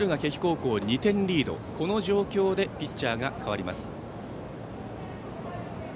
この状況でピッチャーが代わります。